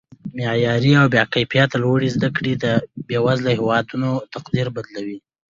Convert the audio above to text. معیاري او با کیفته لوړې زده کړې د بیوزله هیوادونو تقدیر بدلوي